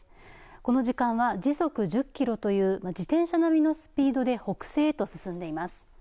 この時間は時速１０キロという自転車並のスピードで北西へと進んでいます。